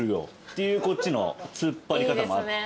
いうこっちの突っ張り方もあって。